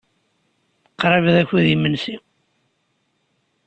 Qrib d akud n yimensi.